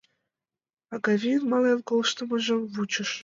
Агавийын мален колтымыжым вучыш.